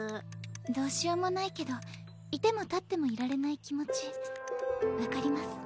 どうしようもないけどいてもたってもいられない気持ち分かります。